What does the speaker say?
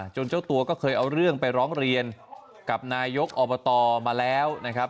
เจ้าตัวก็เคยเอาเรื่องไปร้องเรียนกับนายกอบตมาแล้วนะครับ